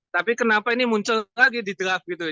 tapi kenapa ini muncul lagi di draft gitu ya